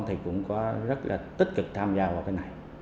thì cũng có rất là tích cực tham gia vào cái này